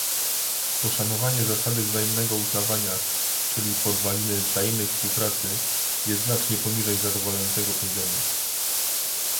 Poszanowanie zasady wzajemnego uznawania, czyli podwaliny wzajemnej współpracy, jest znacznie poniżej zadowalającego poziomu